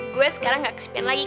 gue sekarang gak ke spin lagi